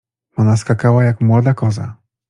Ona skakała, jak młoda koza.